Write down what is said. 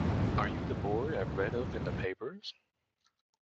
Are you the boy I've read of in the papers?